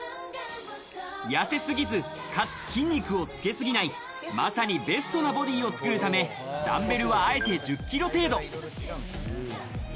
痩せすぎず、かつ筋肉をつけすぎない、まさにベストなボディを作るためダンベルはあえて１０キロ程度。